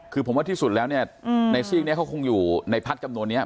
คือผมว่าที่สุดแล้วเนี่ยในสิ่งแบบี้มันคงอยู่ในพลักษณ์จำนวนนี้